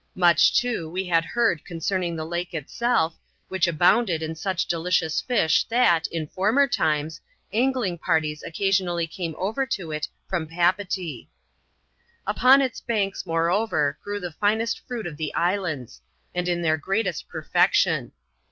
Much, too, we had heard concerning the lake itself which abounded in such delicious fish, that, in former times, angling parties occasionally came over to it from Papeetee. Upon its banks, moreover, grew the finest fruit of the islands, and in their greatest perfection.